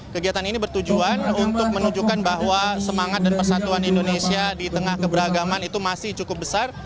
kegiatan ini bertujuan untuk menunjukkan bahwa semangat dan persatuan indonesia di tengah keberagaman itu masih cukup besar